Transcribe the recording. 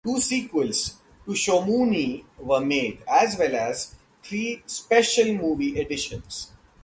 Two sequels to Shomuni were made, as well as three Special movie editions.